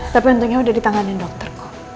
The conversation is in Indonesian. tapi untungnya udah ditanganin dokterku